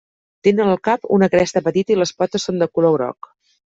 Tenen al cap una cresta petita, i les potes són de color groc.